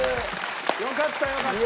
よかったよかった。